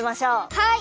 はい！